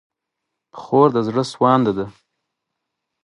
خور د زړه سوانده ده.